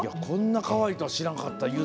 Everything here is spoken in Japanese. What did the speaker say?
こんなかわいいとは知らんかった。